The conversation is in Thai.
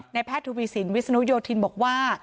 แพทย์ทวีสินวิศนุโยธินบอกว่า